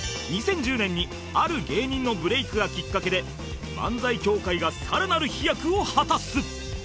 ２０１０年にある芸人のブレイクがきっかけで漫才協会が更なる飛躍を果たす